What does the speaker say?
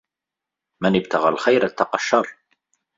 مَنْ ابْتَغَى الْخَيْرَ اتَّقَى الشَّرَّ